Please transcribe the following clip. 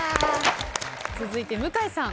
続いて向井さん。